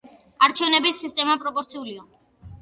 არჩევნების სისტემა პროპორციულია.